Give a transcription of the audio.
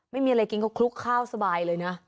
ไม่มีอะไรกินเขาคลุกข้าวสบายเลยนะ